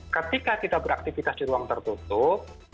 ketika kita beraktivitas di ruang tertutup